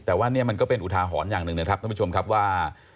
แต่นี่มันเป็นอุทาหอนอย่างหนึ่งค่ะ